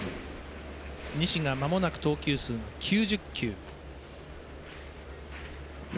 西がまもなく投球数、９０球。